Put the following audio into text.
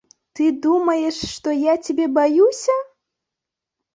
Ты думаеш, што я цябе баюся!